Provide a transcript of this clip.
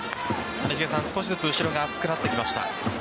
少しずつ後ろが厚くなってきました。